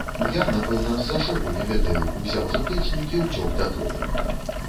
Я, напэўна, з-за шоку, не ведаю, узяў заплечнік і ўцёк дадому.